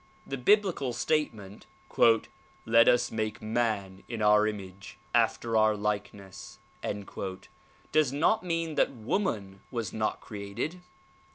The biblical statement "Let us make man in our image; after our likeness" does not mean that woman was not created.